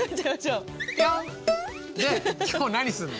で今日何すんの？